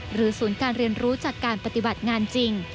ศูนย์การเรียนรู้จากการปฏิบัติงานจริง